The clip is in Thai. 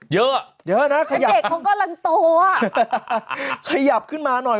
เยอะอ่ะเยอะนะขยับเด็กเขากำลังโตอ่ะขยับขึ้นมาหน่อย